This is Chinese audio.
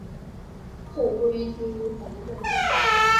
后龟山天皇在位。